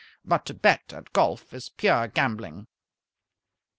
But to bet at golf is pure gambling.